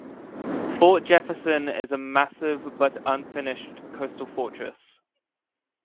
Fort Jefferson is a massive but unfinished coastal fortress.